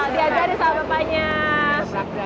diadakan sama banyak